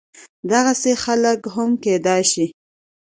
دغسې خلق هم کيدی شي